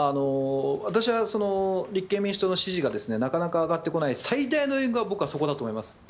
私は立憲民主党の支持がなかなか上がってこない最大の要因はそこだと思います。